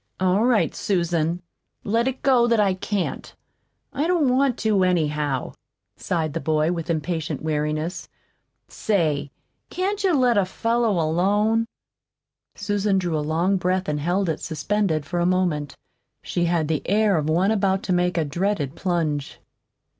"All right, Susan, let it go that I can't. I don't want to, anyhow," sighed the boy with impatient weariness. "Say, can't you let a fellow alone?" Susan drew a long breath and held it suspended for a moment. She had the air of one about to make a dreaded plunge.